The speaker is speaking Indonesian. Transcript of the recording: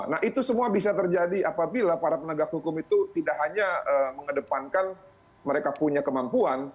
nah itu semua bisa terjadi apabila para penegak hukum itu tidak hanya mengedepankan mereka punya kemampuan